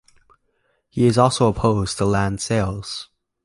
He is also opposed to land sales.